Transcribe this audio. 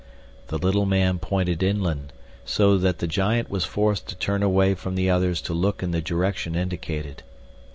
The little man pointed inland, so that the giant was forced to turn away from the others to look in the direction indicated.